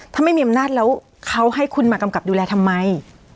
ถ้าไม่มีอำนาจแล้วเขาให้คุณมากำกับดูแลทำไม